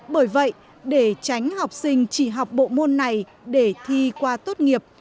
bởi vậy để tránh học sinh chỉ học bộ môn này để thi qua tốt nghiệp